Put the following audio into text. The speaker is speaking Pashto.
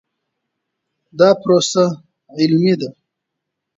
دا پروسه علمي ده.